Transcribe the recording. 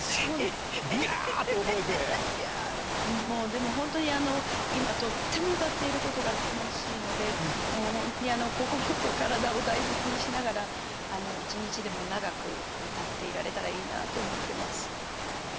でもほんとに今とっても歌っていることが楽しいのでほんとに心と体を大切にしながら一日でも長く歌っていられたらいいなと思ってます。